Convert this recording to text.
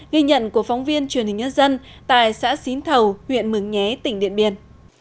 ghi nhận của phóng viên truyền hình nhân dân tại xã xín thầu huyện mường nhé tỉnh điện biên